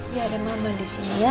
iya ada mama disini ya